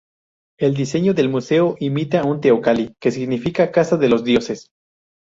El diseño del museo imita un teocalli, que significa "casa de los dioses".